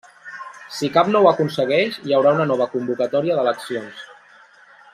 Si cap no ho aconsegueix, hi haurà una nova convocatòria d'eleccions.